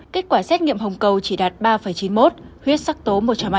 kết quả xét nghiệm hồng cầu chỉ đạt ba chín mươi một huyết sắc tố một trăm ba mươi